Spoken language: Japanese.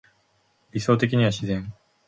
理想的には自然